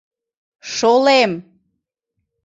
Шолем!